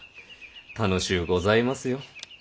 楽しうございますよ。